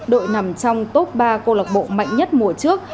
đội nằm trong top ba câu lạc bộ mạnh nhất mùa trước